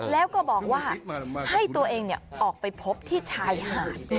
แล้วก็บอกว่าให้ตัวเองออกไปพบที่ชายหาด